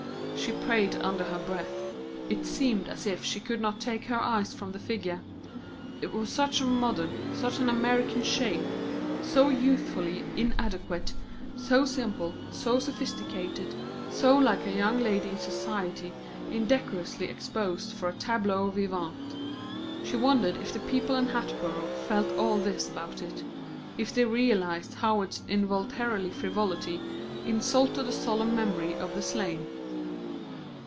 she prayed under her breath. It seemed as if she could not take her eyes from the figure; it was such a modern, such an American shape, so youthfully inadequate, so simple, so sophisticated, so like a young lady in society indecorously exposed for a tableau vivant. She wondered if the people in Hatboro' felt all this about it; if they realised how its involuntary frivolity insulted the solemn memory of the slain.